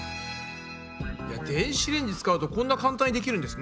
電子レンジ使うとこんな簡単にできるんですね。